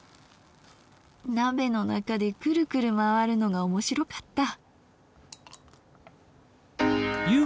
鍋の中でクルクル回るのが面白かった。